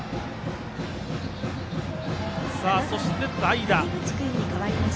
そして、代打です。